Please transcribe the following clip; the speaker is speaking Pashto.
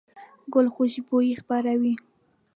ګل خوشبويي خپروي.